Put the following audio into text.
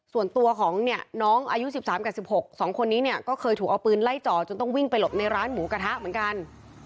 ส่วนตัวของเนี่ยน้องอายุ๑๓กับ๑๖สองคนนี้เนี่ยก็เคยถูกเอาปืนไล่จ่อจนต้องวิ่งไปหลบในร้านหมูกระทะเหมือนกัน